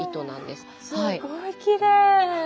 すっごいきれい。